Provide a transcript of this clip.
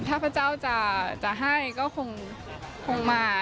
ถ้าพระเจ้าจะให้ก็คงมา